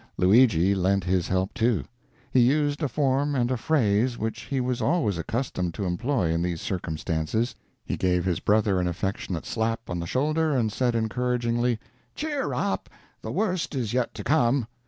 Luigi lent his help, too. He used a form and a phrase which he was always accustomed to employ in these circumstances. He gave his brother an affectionate slap on the shoulder and said, encouragingly: "Cheer up, the worst is yet to come!"